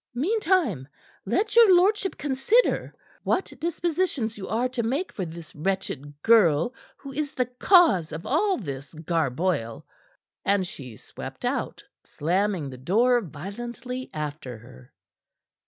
"Meantime, let your lordship consider what dispositions you are to make for this wretched girl who is the cause of all this garboil." And she swept out, slamming the door violently after her.